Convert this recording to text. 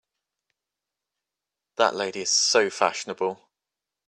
That lady is so fashionable!